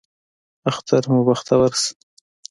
اختر مو بختور شه